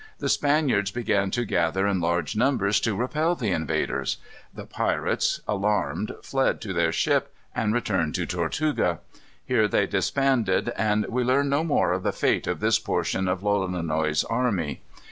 The Spaniards began to gather in large numbers to repel the invaders. The pirates, alarmed, fled to their ship, and returned to Tortuga. Here they disbanded, and we learn no more of the fate of this portion of Lolonois's army.